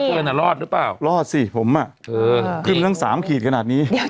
เบอร์น่ะรอดหรือเปล่ารอดสิผมอ่ะเออขึ้นตั้งสามขีดขนาดนี้เดี๋ยว